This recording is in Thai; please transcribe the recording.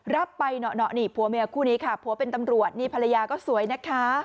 รับไปเหนาะนี่ผัวเมียคู่นี้ค่ะผัวเป็นตำรวจนี่ภรรยาก็สวยนะคะ